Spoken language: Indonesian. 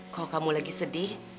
kalo kamu lagi sedih